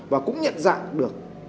và cũng nhận dạng được